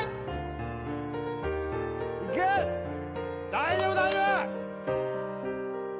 大丈夫大丈夫！